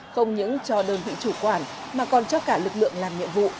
không những cho đơn vị chủ quản mà còn cho cả lực lượng làm nhiệm vụ